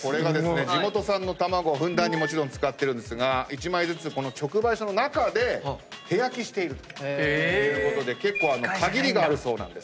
地元産の卵をふんだんにもちろん使ってるんですが１枚ずつこの直売所の中で手焼きしているということで結構限りがあるそうなんですね。